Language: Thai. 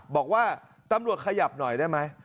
บอกว่าตำรวจขยับหน่อยได้ไหม